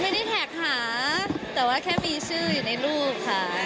ไม่ได้แท็กหาแต่ว่าแค่มีชื่ออยู่ในรูปค่ะ